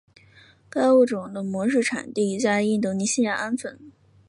该物种的模式产地在印度尼西亚安汶。